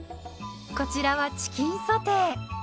こちらはチキンソテー。